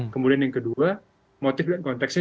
kemudian yang kedua motif dan konteksnya